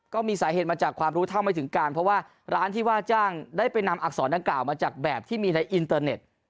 ก็มีสาเหตุมาจากความรู้เท่าไม่ถึงการเพราะว่าร้านที่ว่าจ้างได้ไปนำอักษรดังกล่าวมาจากแบบที่มีในอินเตอร์เน็ต